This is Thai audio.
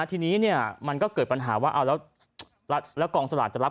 ทีนี้เนี่ยมันก็เกิดปัญหาว่าเอาแล้วกองสลากจะรับ